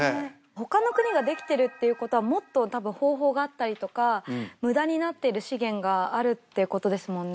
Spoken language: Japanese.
ほかの国ができてるっていうことはもっとたぶん方法があったりとかムダになってる資源があるってことですもんね